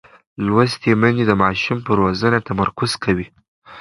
لوستې میندې د ماشوم پر روزنه تمرکز کوي.